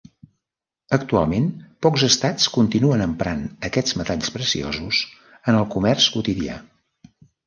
Actualment pocs estats continuen emprant aquests metalls preciosos en el comerç quotidià.